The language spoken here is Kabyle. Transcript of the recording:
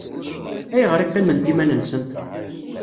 Ayɣer i qqiment iman-nsent?